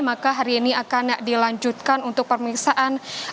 maka hari ini akan dilanjutkan untuk pemeriksaan